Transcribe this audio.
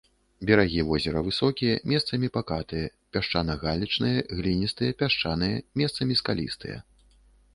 Берагі возера высокія, месцамі пакатыя, пясчана-галечныя, гліністыя, пясчаныя, месцамі скалістыя.